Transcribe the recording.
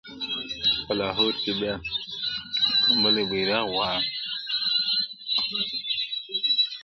په لاهور کي بیا ټومبلی بیرغ غواړم -